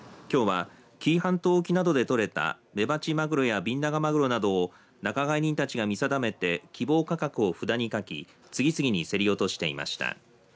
きょうは紀伊半島沖などでとれたメバチマグロやビンナガマグロなどを仲買人たちが見定めて希望価格を札に書き次々に競り落としていました。